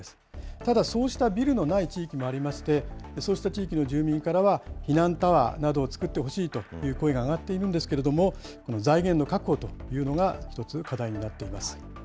ただ、そうしたビルのない地域もありまして、そうした地域の住民からは、避難タワーなどを作ってほしいという声が上がっているんですけれども、財源の確保というのが一つ課題になっています。